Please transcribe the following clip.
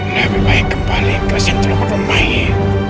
lebih baik kembali ke sentro kedua mahir